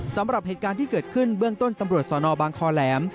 สำหรับเหตุการณ์ที่เกิดขึ้นเบื้องต้นตำรวจสนบางคอแหลม